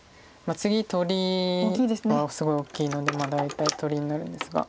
次取りはすごい大きいので大体取りになるんですが。